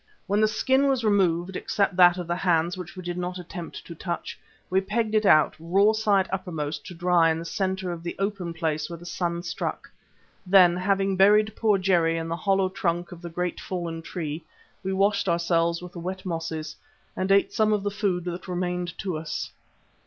When the skin was removed, except that of the hands, which we did not attempt to touch, we pegged it out, raw side uppermost, to dry in the centre of the open place where the sun struck. Then, having buried poor Jerry in the hollow trunk of the great fallen tree, we washed ourselves with the wet mosses and ate some of the food that remained to us.